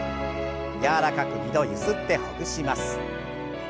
柔らかく２度ゆすってほぐします。